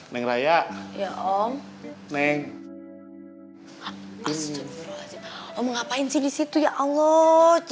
berani masuk kamar neng om ludung tepanyakan